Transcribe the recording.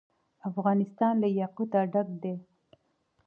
افغانستان له یاقوت ډک دی.